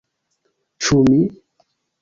Ĉu mi?